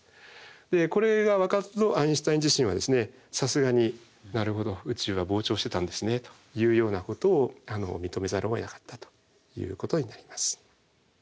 でこれがわかるとアインシュタイン自身はさすがになるほど宇宙は膨張してたんですねというようなことを認めざるをえなかったということになります。